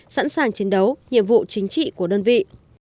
sẵn sàng chiến đấu nhiệm vụ chính trị của đơn vị